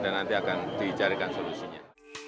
dan nanti akan dicarikan solusinya